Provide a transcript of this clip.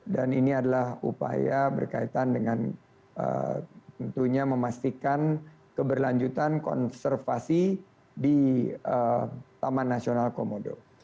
dan ini adalah upaya berkaitan dengan tentunya memastikan keberlanjutan konservasi di taman nasional komodo